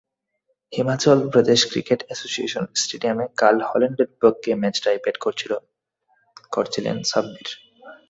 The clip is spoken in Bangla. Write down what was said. হিমাচল প্রদেশ ক্রিকেট অ্যাসোসিয়েশন স্টেডিয়ামে কাল হল্যান্ডের বিপক্ষে ম্যাচটায় ব্যাট করছিলেন সাব্বির।